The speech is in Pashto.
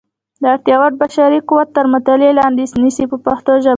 د اړتیا وړ بشري قوت تر مطالعې لاندې نیسي په پښتو ژبه.